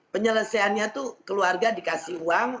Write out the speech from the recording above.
penyelesaiannya itu keluarga dikasih uang